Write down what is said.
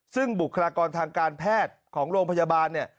ซึ่งบุคลากรทางการแพทของโรงพยาบาล